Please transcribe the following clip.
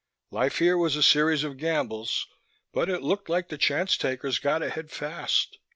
Life here was a series of gambles, but it looked like the chance takers got ahead fast.